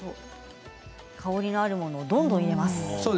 香りのあるものをどんどん入れます。